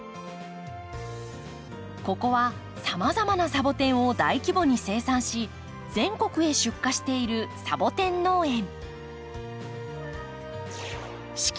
ここはさまざまなサボテンを大規模に生産し全国へ出荷しているサボテン農園。